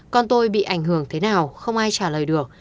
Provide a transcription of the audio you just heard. con tôi bị ảnh hưởng thế nào không ai trả lời được